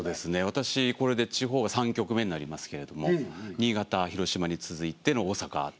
私これで地方は３局目になりますけれども新潟広島に続いての大阪と。